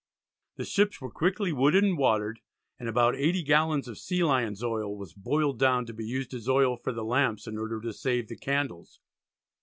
The ships were quickly wooded and watered, and about eighty gallons of sea lions' oil was boiled down to be used as oil for the lamps in order to save the candles.